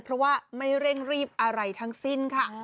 เพราะว่าไม่เร่งรีบอะไรทั้งสิ้นค่ะ